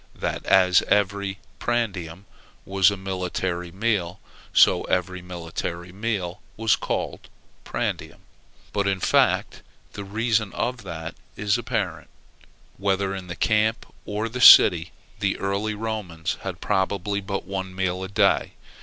that, as every prandium was a military meal, so every military meal was called prandium. But, in fact, the reason of that is apparent. Whether in the camp or the city, the early Romans had probably but one meal in a day.